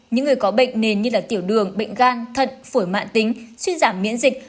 những người có bệnh nền như tiểu đường bệnh gan thận phổi mạng tính suy giảm miễn dịch